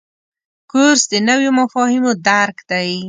کورس د نویو مفاهیمو درک دی.